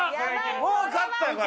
もう買った。